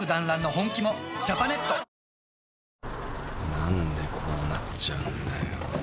何でこうなっちゃうんだよ。